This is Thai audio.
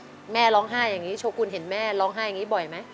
อเรนนี่และลองไห้อย่างนี้โชกุลเห็นแม่ลองไห้อย่างนี้บ่อยไหม